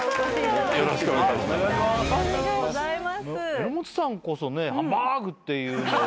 榎本さんこそね「ハンバーグ！」っていうのを。